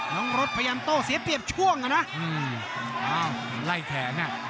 น้องรถพยายามโตเสียเตียบช่วงนะ